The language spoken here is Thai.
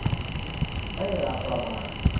ใช้เวลาประมาณ